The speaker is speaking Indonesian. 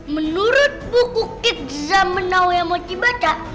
menurut buku kitza menawai mochibata